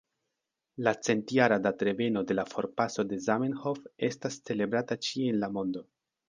La centjara datreveno de la forpaso de Zamenhof estas celebrata ĉie en la mondo.